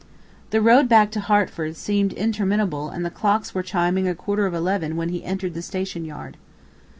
The road back to Hertford seemed interminable and the clocks were chiming a quarter of eleven when he entered the station yard.